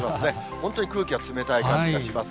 本当に空気が冷たい感じがします。